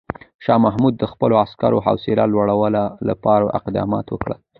شاه محمود د خپلو عسکرو حوصله لوړولو لپاره اقدامات وکړل.